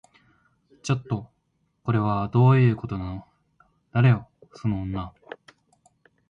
ちょっと、これはどういうことなの？誰よその女